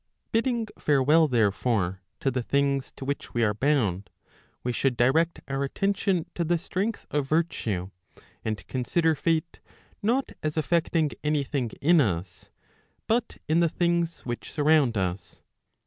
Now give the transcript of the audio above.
Bidding farewell, therefore, to the things to which we are bound, we should direct our attention to the strength of virtue, and consider Fate not as effecting any thing in us, but in the things which surround us.